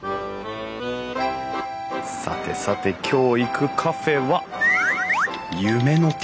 さてさて今日行くカフェは。